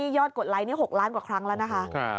อดกดไลค์นี่๖ล้านกว่าครั้งแล้วนะคะ